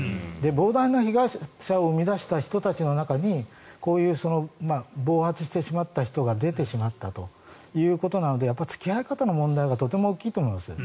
膨大な被害者を生み出した人たちの中にこういう暴発してしまった人が出てしまったということなので付き合い方の問題がとても大きいと思います。